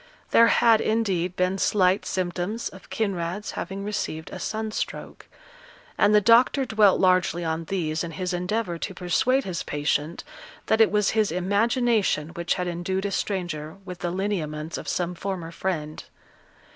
There had, indeed, been slight symptoms of Kinraid's having received a sun stroke; and the doctor dwelt largely on these in his endeavour to persuade his patient that it was his imagination which had endued a stranger with the lineaments of some former friend.